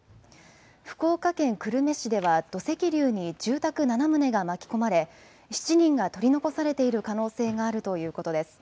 福岡県久留米市では土石流に住宅７棟が巻き込まれ７人が取り残されている可能性があるということです。